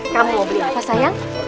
kamu beli apa sayang